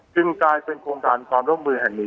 กลายเป็นโครงการความร่วมมือแห่งนี้